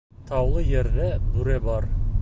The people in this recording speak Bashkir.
Таулы ерҙә бүре бар